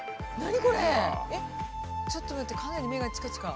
えっちょっと待ってかなり目がちかちか。